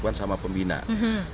aman alhamdulillah administros luas itu